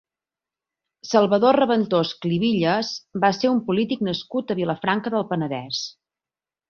Salvador Raventós Clivilles va ser un polític nascut a Vilafranca del Penedès.